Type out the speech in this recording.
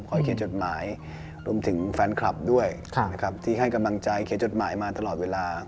เขียนจดหมายรวมถึงแฟนคลับด้วยนะครับที่ให้กำลังใจเขียนจดหมายมาตลอดเวลา